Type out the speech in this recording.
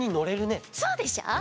そうでしょ！